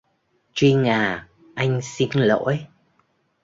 Trinh à anh xin lỗi